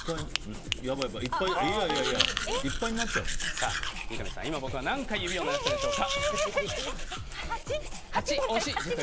さあ三上さん、僕は今何回指を鳴らしたでしょうか。